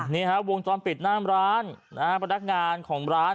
นี่ฮะวงจรปิดหน้ามร้านนะฮะพนักงานของร้าน